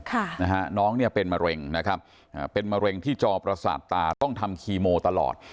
ค่ะนะฮะน้องเนี่ยเป็นมะเร็งนะครับอ่าเป็นมะเร็งที่จอประสาทตาต้องทำคีโมตลอด